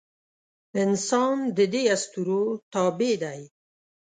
انسان د دې اسطورو تابع دی.